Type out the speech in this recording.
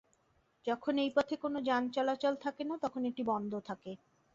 যখন এই পথে কোন যান চলাচল থাকে না তখন এটি বন্ধ থাকে।